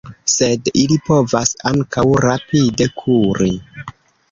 Sed ili povas ankaŭ rapide kuri.